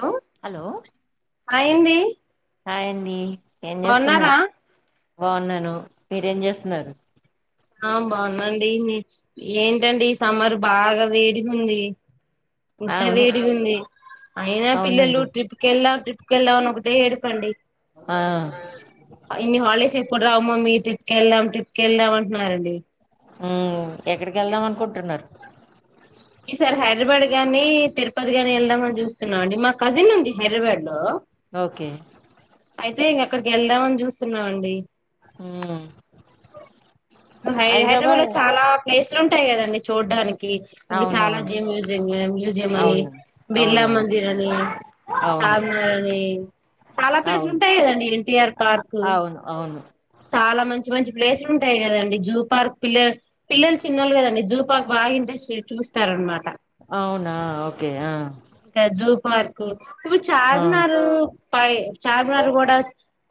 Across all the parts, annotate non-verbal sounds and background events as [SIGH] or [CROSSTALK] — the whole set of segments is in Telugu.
హలో అ ఏంది హాయ్ అండి ఏం చేస్తున్నారు బావున్నార ను మీరేం చేస్తున్నారు ఆ బాగుందండి ఏంటండి ఈ సమ్మర్ బాగా వేడిగుంది ఇంత అవును వేడిగుంది అయినా పిల్లలు అవునండి ట్రిప్ కెళ్దాం ట్రిప్ ట్రిప్ కెళ్దాం అని ఒకటే ఏడుపండి ఆ ఇన్ని హాలిడేస్ ఎప్పుడు రావు మమ్మీ ట్రిప్ కెళ్దాం ట్రిప్ కెళ్దాం తున్నారండి మ్ ఎక్కడికెళ్దాం అనుకుంటున్నారు ఈసారి హైడ్రాబాడ్ గాని తిరుపతి గాని వెళ్దామని చూస్తున్నాం అండి మా కజిన్ ఉంది హైడ్రాబాడ్ లో ఓకే అయితే ఇంకక్కడికెళ్దామని చూస్తున్నామండి మ్ ఇప్పుడు హైడ్రాబాడ్ లో చాలా ప్లేస్ లుంటాయి కదండి చూడ్డానికి కి ఇప్పుడు అవునవును శాలాజీ మ్యూజియ మ్యూజియం అని అవును బిర్లా అవునవును మందిర్ అని అవును చార్మినార్ అని చాలా ప్లేసులు అవును ఉంటాయి కదండి ఎన్టీఆర్ పార్క్ అవును అవును చాలా మంచి మంచి ప్లేస్లుంటాయి కదండి జూ పార్క్ పిల్ల పిల్లలు చిన్నోళ్ళు కదండి జూ పార్క్ బాగా ఇంట్రెస్ట్ చూస్త తారనమాట అవునా ఓకే ఆ ఇంకా జూ పార్క్ ప్పుడు ఆ చార్మినార్ పై చార్మినార్ కూడా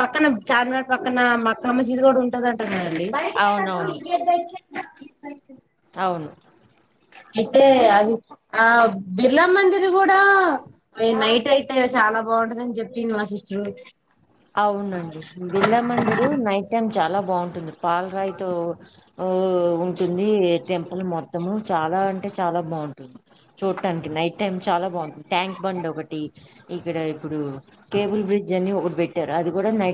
పక్కన చార్మినార్ పక్కన మా మాక్కామసీద్ కూడా ఉంటదంట కదా [UNINTELLIGIBLE] అవునవును [UNINTELLIGIBLE] అవును అయితే అవి ఆ బిర్లా మందిర్ కూడా అ నైటయితే చాలా బాగుంటదిని చెప్పింది మా సిస్టరు అవునండి బిర్లామందిరు నైట్ టైమ్ చాలా బావుం పాలరాయి తో ఉ ఉంటుంది టెంపుల్ మొత్తము చాలా అంటే చాలా బావుంటుంది చూట్టానికి నైట్ టైమ్ చాలా బావుం ట్యాంక్ బండ్ ఒకటి ఇక్కడ ఇప్పుడు కేబుల్ బ్రిడ్జ్ అని ఒక ట్టరు అది కూడా నై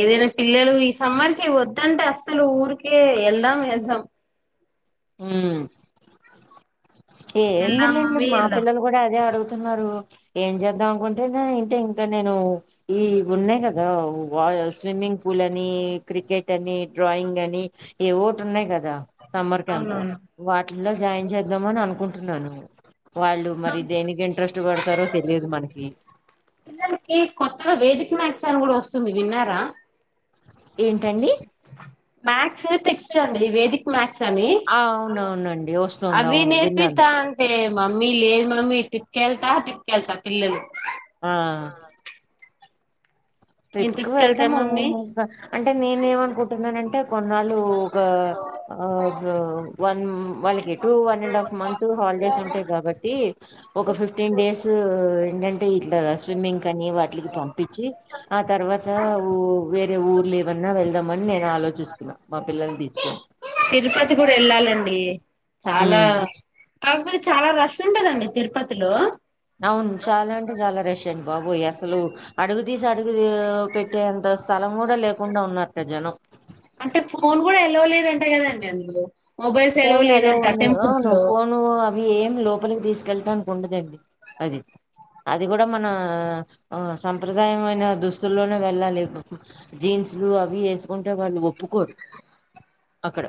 ఏదైనా పిల్లలు ఈ సమ్మర్ కి వద్దంటే అస్సలు ఊరికే వెళ్దాం వెళ్దాం మ్ వెళ్దాం ఏందీళ్ళండి మమ్మీ మా వెళ్దాం పిల్లలు కూడా అదే అడుగు ఏం చేద్దాం అనుకుంటే ఇంటే ఇంకా నేను ఈ ఉన్నాయి కదా స్విమ్మింగ్ పూల్ అని క్రికెట్ అని డ్రాయింగ్ అని ఏ ఒకటి ఉన్నాయి కదా క్యాంప్ అవునవును వాటిలో జాయిన్ చేద్దాం అని అనుకుంటు టున్నాను వాళ్ళు మరి దేనికి ఇంట్రెస్ట్ పడతారో తెలియదు మనకి పిల్లలకి కొత్తగా [UNINTELLIGIBLE] కూడా వస్తుంది విన్నారా ఏంటండి మ్యాథ్స్ టెక్స్ట్ అండి వేదిక్ మ్యాథ్స్ అని ఆ అవునవునండి వస్తుంది అవి అవును విన్నాను నేర్పిస్తా అంటే మమ్మీ లేదు మమ్మీ టిప్పుకెళ్తా టిప్పుకెళ్తా పిల్లలు ఆహ్ నేను ట్రిప్ కు ట్రిప్కి వెళ్తా వెళ్ళటము మమ్మీ అంటే నేను ఏమనుకుంటున్నానంటే కొన్నాళ్ళు ఒక ఆహ్ వన్ వాళ్ళకి ఎటూ one and half month holidays ఉంటాయి కాబట్టి ఒక ఫిఫ్టీన్ డేస్ ఏంటంటే ఇట్లా స్విమ్మింగ్ అని వాటికి పంపించి ఆ తర్వాత వేరే ఊర్లు ఏమన్నా వెళ్దామని నేను ఆలోచిస్తున్నా మా పిల్లల్ని తీసుకొని డి చాలా హ్మ్. కాకపోతే చాలా రష్ ఉంటదండీ తిరుపతిలో అవును చాలా అంటే చాలా రష్ ఏంటి బాబు అసలు అడుగు తీసి అడుగు పెట్టే అంత స్ అంటే ఫోన్ కూడా ఎలో లేదం లేదండి అందులో మొబైల్స్ ఎలవ్ ఫోన్ ఎలో లేదంట ఉండదు టెంపుల్స్ అవును లో ఫోను అవి ఏం లోపలికి తీస్ కెళటానికి ఉండదండి అది అది కూడా మన ఆ సం ప్రదాయమైన దుస్తుల్లో వెళ్ళలేను జీన్స్లు అవి వేసుకుంటే వాళ్ళు ఒప్పుకోరు అక్కడ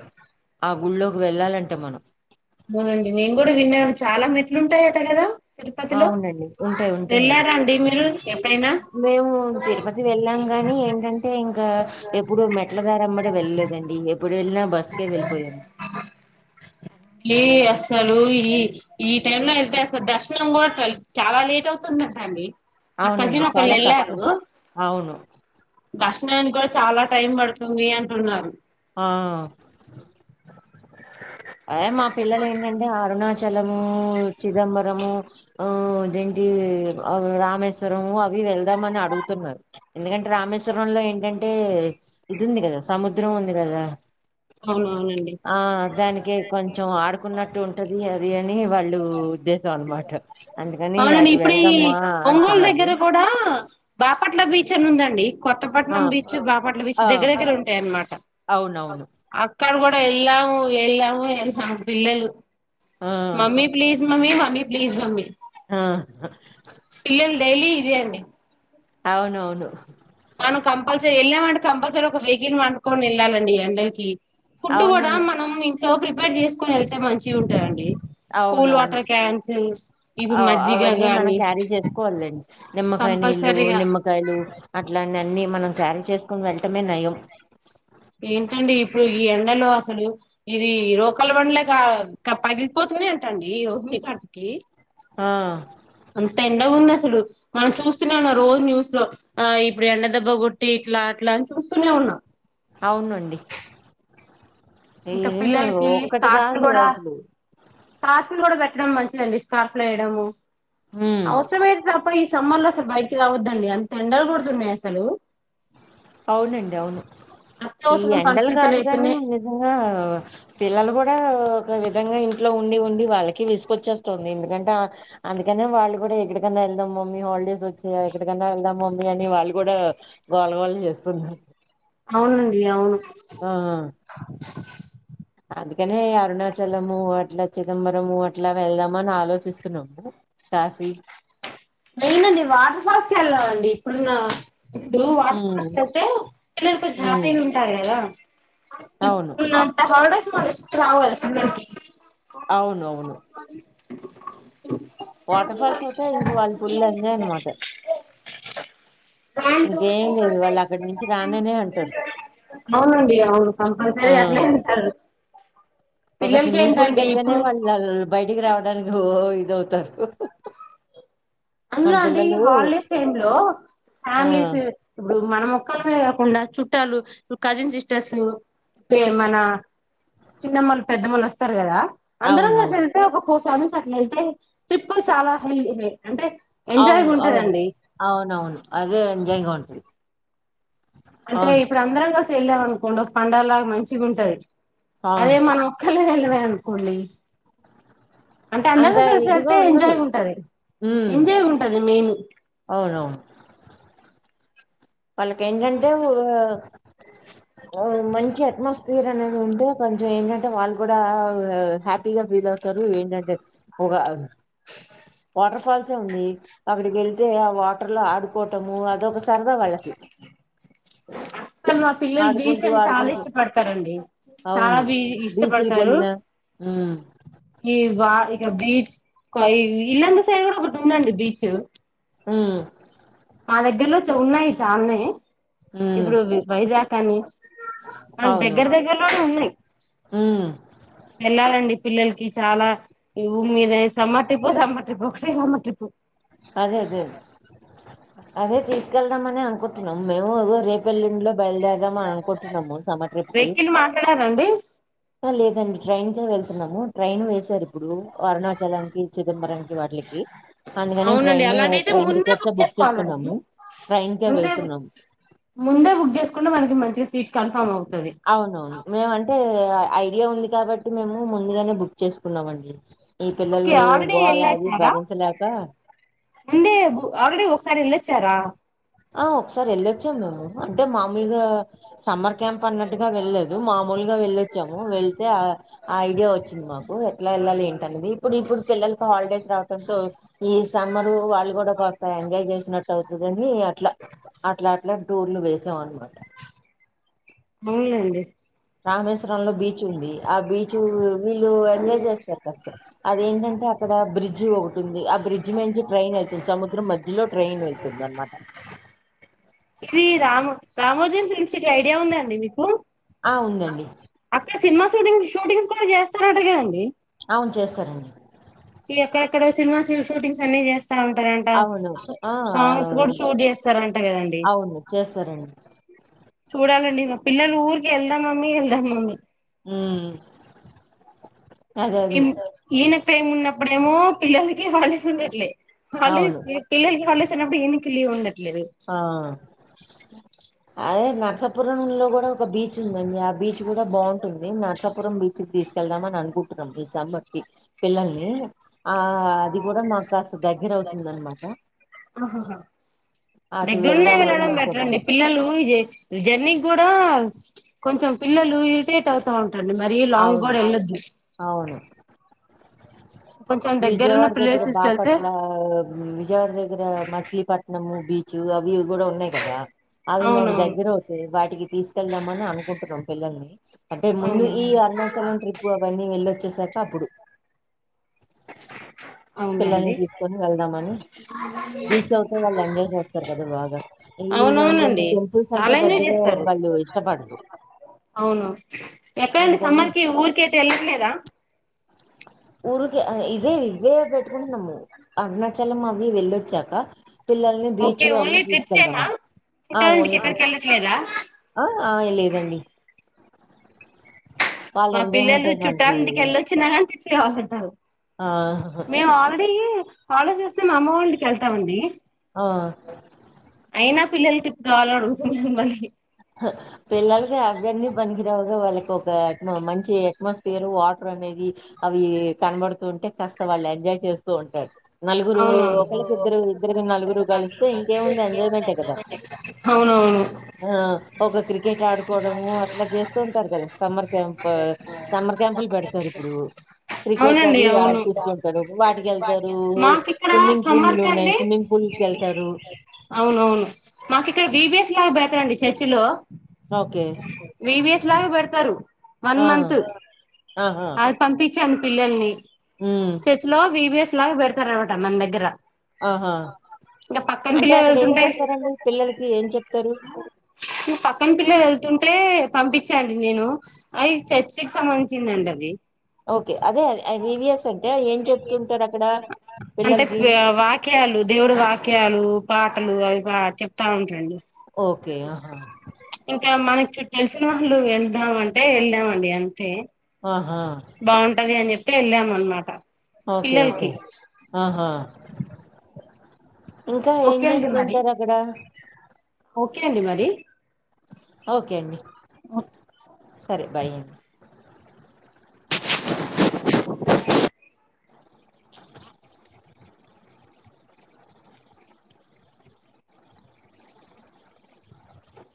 ఆ గు గుళ్ళోకి వెళ్ళాలంటే మనం అవునండి నేను కూడా విన్నాను చాలా మెట్లుంటాయట కదా తిరుపతిలో అవునండి ఉంటాయి ఉంటాయండి వెళ్ళారండి మీరు ఎప్పుడైనా మేము తిరుపతి వెళ్ళాం కానీ ఏంటంటే ఇంకా ఎప్పుడు మెట్ల దారేంబడి వెళ్ళలేదండి ఎప్పుడు వెళిన ఇ అసలు ఈ ఈ టైం లో వెళ్తే అసలు దర్శనం కూడా చాలా లేట్ వుతుందంటాండి మా అవునండి కజిన్ ఒకళు చాలా కష్టం వెళ్ళారు అవును దర్శనాని కూడా చాలా టైం పడుతుంది అంటున్నారు ఆహ్ ఆ మా పిల్లలు ఏంటండి అరుణాచ చలము చిదంబరము ఊ ఇదేంటి రామేశ్వరము ఆవ్ వి వెళ్దామని అడుగుతున్నారు ఎందుకంటే రామేశ్వరంలో ఏంటంటే ఇదుంది కదా సముద్రం ఉంది కదా అవునవునండి ది కొంచెం ఆడుకున్నట్టు ఉంటది [UNINTELLIGIBLE] అని వాళ్ళు ఉద్దేశం అనమాట అందుకని అవునండి అటు ఇప్పుడు ఈ వెళ్దామ్మా ఒంగోలు అంటున్నారు దగ్గర కూడా బాపట్ల బీచ్ అనుందండి ఆ కొత్తపట్నం బీచ్ బాపట్ల బీచ్ ఆ దగ్గర దగ్గర ఉంటాయ్ అన్నమాట అవునవును అక్కడ కూడా వెళ్ళాము వెళ్ళాము [UNINTELLIGIBLE] పిల్లలు ఆ మమ్మీ ప్లీజ్ మమ్మీ మ్మీ ప్లీజ్ మమ్మీ ఆ పిల్లలు డైలీ ఇదే అండి అవునవును కంపల్సరీ వెళ్ళామంటే కంపల్సరీ ఒక వెహికల్ వండుకొని వెళ్ళాలండి ఈ ఎండలకి ఫుడ్ కూడా అవునవును మనం సో ప్రిపేర్ చేసుకోనెళ్తే మంచిగుంటదండి కూల్ అవునవును వాటర్ క్యాన్స్ ఇవి ఆ మజ్జిగ అవన్నీ మనం గానీ క్యారీ చేసుకోవాలండి. నిమ్మకాయ నీళ్ళు నిమ్మకాయలు అట్లాంటి అన్ని మనం క్యారీ చేసుకుని వెళ్ళటమే నయం ఏం ఏంటండి ఇప్పుడు ఈ ఎండలో అసలు ఇది రోకలి బండలేగా పగిలిపోతున్నాయంటండి ఈ రోహిణి కార్తికి ఆ తెండగుందసలు మనం చూస్తూనే ఉన్నాం రోజు న్యూస్ లో ఆ ఇప్పుడు ఎండ దెబ్బ కొట్టి ఇట్లా అట్లా అని చూస్తూనే ఉన్నా అవునండి ఈ ఇంక పిల్లలకి ఒక్కటి స్కార్ఫ్ లు కాదు కూడా అసలు. స్కార్ఫ్ లు కూడా పె ట్టడం మంచిదండి స్కార్ఫ్ లేయడము హ్మ్. అవసరం ఐతే తప్ప సమ్మర్లో అసలు బయక్కి రావద్దండి అంత ఎండలు కొడుతున్నాయి అసలు అవునండి అవును ఈ అత్యవసరం ఎండలు పరిస్థితులు కాదు కాని అయితున్నాయి నిజంగా పిల్లలు కూడా ఒక విధంగా ఇంట్లో ఉండి ఉండి వాళ్ళకి విసుకొచ్చేస్తుంది ఎందుకంటే అందుకనే వాళ్ళు కూడా ఎక్కడికన్నా వెళ్దాం మమ్మీ హాలిడేస్ వచ్చాయ ఎక్కడికన్నా వెళ్దాం మమ్మీ అని వాళ్ళు కూడా గోల గోల చేస్తున్నారు అవునండి అవును ఆ అందుకనే అరుణాచలము అట్లా చిదంబరము అట్లా వెళ్దామ అని ఆలోచిస్తున్నాము కాశీ మెయిన్ అండి వాటర్ ఫాల్స్ కెళ్ళాలండి ఇప్పుడున్న ఇప్పుడు వాటర్ ఫాల్స్ ఉమ్ కెళ్తే పిల్లలు కొంచెం ఉమ్ హ్యాపీగుంటారు కదా అవును ఇప్పు నంత హాలీ డేస్ రావాలి చెన్నై కి [INAUDIBLE] బ వాటర్ఫాల్స్ ఐత్ తై ఇంక వాల్ పులిలందాయ్ అన్నమాట ఇంకేం లేదు వాల్ అక్కడ్ నుంచి రాననే అంటరు అవునండి అవును ఆ కంపల్సరీ అట్లే వెళ్తారు ఒగ పిల్లలకి సిమ్మింగ్ పూల్ ఏంటండి కెళ్తేనే ఇప్పుడు వాల్ ఆళ్లాల్ బయటికి రావడానికి ఓ ఇద్ ఇదవ్ తారు అందులో అండి ఈ హాలిడేస్ టైమ్ లో ఆ ఫ్యామిలీస్ ఇబ్బుడు మనం ఒక్కలమే కుండా చుట్టాలు ఉ కజిన్ సిస్టర్సు పే మన చిన్నమ్మలు పెద్దమ్మలొస్తారు కదా అందరం గల్స్ అవునవును ఎళ్తే ఒక కు ఫ్యామిలీస్ అట్ల వెళ్తే టిప్ కు చాలా హెల్ ది మే అంటే ఎంజాయ్గా అవును అవును ఉంటదండి అవునవును అదే జాయ్ గా వుంటుంది అంటే ఇప్పుడు అందరం కల్స్ పెళ్ళాం అనుకోండి ఒక పండలాగ మంచిగుంటది అదే అవును మనం ఒక్కళ్ళే గన్ల వెల్ అన్కోండి అంటే అంత అందరూ కలిసి ఇదిగా వెళ్తే ఎంజాయ్ ఉండదు గుంటది ఉమ్ ఎంజాయ్ గుంటది మెయిను అవునవును వాళ్ళకేంటంటే ఒగ ఓగ్ మంచి అట్మాస్ సీరనేది ఉంటే కొంచెం ఏంటంటే వాళ్ కూడా ఒగ హ్యాపీగా ఫీల్ అవుతారు ఏంటంటే ఒగ వాటర్ఫాల్స్ సే ఉంది అక్కడికెళ్తే ఆ వాటర్ లో ఆడుకోటము అదొక స సరదా వాళ్ళకి అస్సలు మా పిల్లలు బీచ్ ఆడుకుంటూ అని చాలా ఆడుకుంటూ ఇష్టపడతారండి చాలా అవును బీ ఇష్టపడతారు బీచులకెల్న మ్మ్ ఇగ బీచ్ కొయ్ ఇల్లంద సైడ్ గుడా ఒకటుందండి బీచు మ్మ్ మా దగ్గర్లో చౌ ఉన్నాయి చాలున్నయి ఉమ్ ఇప్పుడు వి వైజా కనీ అ అవును దగ్గర దగ్గరలోనే ఉన్నాయ్ ఉమ్ వెళ్ళాలండి పిల్లలకి చాలా ఇ ఉ మీదే సమ్మార్ ట్రిప్పో సమ్మార్ ట్రిప్పో ఏయ్ వామ ట్రిపు అదే అదే అదే తీసుకెళ్దమనే అనుకుంట్ నమ్ మేము అ రేపెల్లిండ్లో బయల్దేదాం అని అనుకుట్నము సమ్మర్ ట్రిప్కి వెహికల్ మాట్లాడారండి లేదండి ట్రైన్కే వెళ్తున్నాము ట్రైన్ వేసారు ఇప్పుడు అరుణాచలానికి చిదంబరానికి వాటిలకి అందుకనే అండి అలాగైతే ముందే బుక్ చేసుకోవాలండి. ట్రైన్ కే ముందే బుక్ వెళ్తున్నాము ముందే బుక్ చేసుకుంటే మనకి మంచిగ సీట్ కన్ఫామ్ అవుతుం అవునవున్ మేమ్ అంటే ఐడియా ఉంది కాబట్టి మేము ముందుగానే బుక్ చేస్ కున్నామండి ఒకే ఆల్రెడీ ఎల్లేసారా వన్డే ఆల్రెడీ ఒకసారి ఎల్లేస్ చ్చరా ఆ ఒక్ సార్ వెళ్ళొచ్చాం మేము అంటే మాముల్గా సమ్మర్ క్యాంప్ అన్నట్టుగా వెళ్లేదు. మామూల్గ వెళ్ళొచ్చ వచ్చాము వెళ్తే ఆ ఐడియా వచ్చింది మాకు. ఎట్లా వెళ్ళాలి ఏంటనేది ఇప్పుడు ఇప్పుడు పిల్లలకి హాలిడేస్ రావటంతో ఈ సమ్మర్ వాళ్ళు కూడా కాస్త ఎంజాయ్ చేసినట్టు అవుతదని. అట్ల అట్ల అట్ల టూర్లు వేసాం అనమాట అవునండి రామేశ్వరంలో బీచ్ ఉంది ఆ బీచ్ వీళ్ళు ఎంజాయ్ చేస్తారు కాస్త అదేంటంటే అక్కడ బ్రిడ్జ్ ఒకటుంది. ఆ బ్రిడ్జ్ నుంచి ట్రైన్ వెళ్తుంది సముద్రం మధ్యలో ట్రైన్ వెళ్తుంది అనమాట. ఇది రామో రామోజీ ఫిల్మ్ సిటీ ఐడియా ఉంద అండి మీకు ఆ ఉందండి అక్కడ సినిమా షూటింగ్స్ షూటింగ్స్ కూడా చేస్తారట గదండి అవును చేస్తారండి ఎక్కడెక్కడ సినిమా షూటింగ్స్ అన్నీ చేస్ అంటరంట అవును ఆ సాంగ్స్ కూడా షూట్ చేస్తారంట కదండి అవును చేస్తారండి చూడాలండి. పిల్లలు ఊర్కే ఎల్దం మమ్మీ ఎల్దం మమ్మీ హ్మ్ అదే అదే ఏనై టైమ్ ఉన్నప్పుడేమో పిల్లలకి హాలిడేస్ ఉండట్లే హాల్డేస్ అవును పిల్లల్కి హాల్డేస్ నప్పుడు ఈనికి లీవ్ ఉండద్ ఆ అదే నరసపురంలో కూడా ఒక బీచ్ ఉందండి అండి ఆ బీచ్ కూడా బావుంట్ నేన నరసపురం బీచ్ తీస్ కి వెళ్దామని అనుకుంటున్నాం ఈ సమ్మర్ కి పిల్లల్ని ఆ అది కూడా మాకు కాస్త దగ్గర ఆ అవుతుందనమాట హాహా అటు దగ్గరున్నయి వెళ్దామని వెళ్లడం బెటర్ అనుకుంటాం అండి పిల్లలు ఇదే ఈ జర్నీ కూడా హా కొంచెం పిల్లలు ఇరిటేట్ అవుతాం ఉంటారంటి మరి లాంగ్ కూడా అవును వెళ్లొద్దు అవును విజయవాడ దగ్గర ప్లేసెస్ కి వెళ్తే బాపట్ల విజయవాడ దగ్గర మచిలీపట్నము బీచువుగా అవి ఇవి కూడా ఉన్నాయి కదా అవి మాకు అవునవును దగ్గర అవుతాయి వాటికి తీసుకెళ్దాంమని అనుకుంటున్నాం పిల్లల్ని అంటే ముందు అవును ఈ అరుణాచలం ట్రిప్పు అవన్నీ వెళ్లొచ్చేసాక అప్పుడు పిల్లల్ని అవునండి తీసుకొని వెళ్దామని బీచ్ అవుతే వాళ్ళు ఎంజాయ్ చేస్తారు కదా బాగా వీళ్లేంటంటే అవునవునండి టెంపుల్స్ అంటే చాలా ఎంజాయ్ పెద్దగా చేస్తారు వాళ్ళు ఇష్టపడరు అవును ఎక్కడండి అందుకని సమ్మర్ కి ఊరికైతే వెళ్ళట్లేదా ఉరు ఆ ఇదే ఇవే పెట్టే అరుణాచల్ చలం అవి వెళ్లొచ్చాక పిల్లల్ని ఓకే బీచ్ అవి ఓన్లీ ట్రిప్స్ ఏనా తీసుకెళ్దామని ఆ చుట్టాలింటికి ఓన్లీ ఎక్కడికి ట్రిప్ వెళ్ళట్లేదా ఆహ్ లేదండి వాళ్ళ మా పిల్లలు ఎంజాయ్మెంటే మనకి చుట్టాలంటికి వెళ్ళొచ్చిన వ్యావర్తాలు ఆ మేము ఆల్రెడీ హాలిడేస్ వస్తే మా అమ్మా వాళ్ళ ఇంటికి వెళ్తామండి ఆ హ్ అయినా పిల్లలు టిప్పు కావాలని అడుగుతురు మనకి పిల్లలకు అవన్నీ పనికిరావు వాళ్ళకి ఒక మంచి అట్మాస్ఫియర్ వాటర్ అనేది అవి కనబడుతూ ఉంటే కాస్త వాళ్ళు ఎంజాయ్ చేస్తూ ఉంటారు నలుగురు అవునవును ఒకళ్ళకి ఇద్దరు ఇద్దరికి నలుగురు కలిస్తే ఇంకేముంది ఎంజాయ్మెంటే కదా అవునవును ఆ ఒక క్రికెట్ ఆడుకోవడము అట్లా చేస్తూ ఉంటారు కదా సమ్మర్ క్యాంప్ సమ్మర్ క్యాంపులు పెడతారు ఇప్పుడు క్రికెట్ అవునండి అవి అవును ఆడిపిస్తంటారు వాటికి వెళ్తారు మాకు ఇక్కడ స్విమ్మింగ్ పూల్ సమ్మర్ ఉన్నాయి కంటే స్విమ్మింగ్ పూల్ కి వెళ్తారు అవునవును మాకు ఇక్కడ బి బి ఎస్ లాగా పెడతారు అంతే అండి చర్చి లో ఓకే వి వి ఎస్ ఇలాగే పెడతారు వన్ ఆ! మంత్ ఆహా! అది పంపించను పిల్లల్ని హ్మ్. చర్చిలో వీవియస్ [UNINTELLIGIBLE] స్తారవట మన దగ్గర ఆహా! ఇంకా పక్కన అంటే పిల్లలు అక్కడ ఏం వెళ్తుంటే చేస్తారండి? పిల్లలకి ఏం చెప్తారు? పక్కన పిల్లలు వెళ్తుంటే పంపించండి నేను అది చర్చికి సంబంధించిందండి అది ఓకే అదే వివిఎస్ అంటే ఏం చెప్తుంటారు అక్కడ అంటే వాక్యాలు దేవుడు వాక్యాలు పాటలు అవి బా చెప్తా ఉంటరండి ఓకే ఆహా ఇంకా మనకి తెలిసిన వాళ్ళు వెళ్దాం అంటే వెళ్దామండి అంతే ఆహా! బాగుంటది అని చెప్ప ఇటే వెళ్ళాము అన్నమాట ఓకే. ఓకే. పిల్లలకి ఆహా ఇంకా ఏం ఓకే అండి మరి చేస్తుంటారు అక్కడ ఓకే అండి మరి ఓకే అండి సరే బై